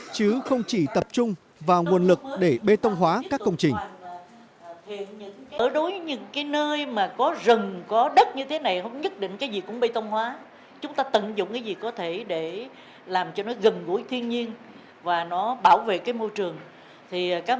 chứ không chỉ tập trung vào nguồn lực để bê tông hóa các công trình